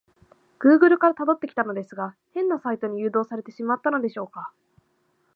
グーグルから辿ってきたのですが、変なサイトに誘導されてしまったのでしょうか？